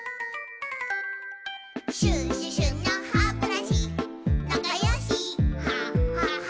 「シュシュシュのハブラシなかよしハハハ」